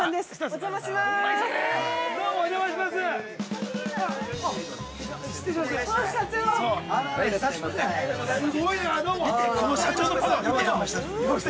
お邪魔しまーす。